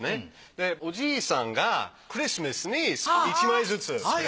でおじいさんがクリスマスに１枚ずつ。